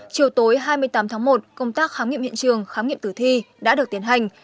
chiều tối hai mươi tám tháng một công tác khám nghiệm hiện trường khám nghiệm tử thi đã được tiến hành